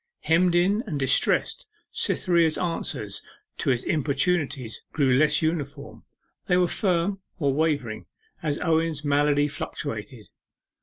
Hemmed in and distressed, Cytherea's answers to his importunities grew less uniform; they were firm, or wavering, as Owen's malady fluctuated.